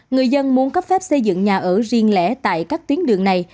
người dân muốn cấp phép xây dựng nhà ở riêng lẻ tại các tuyến đường này